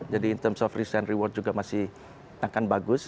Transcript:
jadi in terms of risk and reward juga masih akan bagus